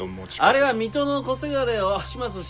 あれは水戸の小せがれを始末しようと。